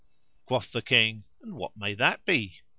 Quoth the King, "And what may that be?"